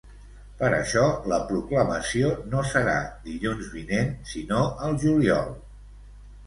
Per això, la proclamació no serà dilluns vinent sinó al juliol.